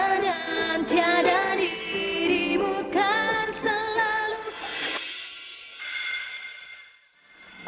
bening masih kenyang kok